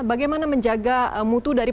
bagaimana menjaga mutu dari